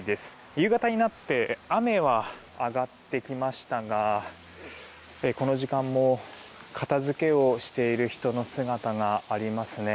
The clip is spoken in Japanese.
夕方になって雨は上がってきましたがこの時間も片づけをしている人の姿がありますね。